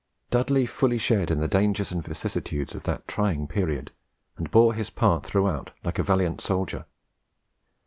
Dudley fully shared in the dangers and vicissitudes of that trying period, and bore his part throughout like a valiant soldier.